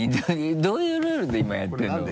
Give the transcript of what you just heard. どういうルールで今やってるの？